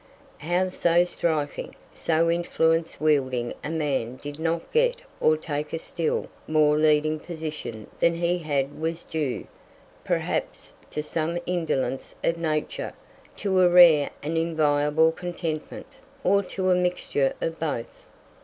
How so striking, so influence wielding a man did not get or take a still more leading position than he had was due, perhaps, to some indolence of nature, to a rare and enviable contentment, or to a mixture of both.